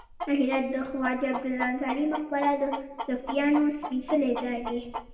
د هرات د خواجه عبدالله انصاري مقبره د صوفیانو سپیڅلی ځای دی